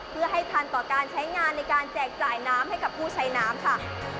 เพื่อให้ทันต่อการใช้งานในการแจกจ่ายน้ำให้กับผู้ใช้น้ำค่ะ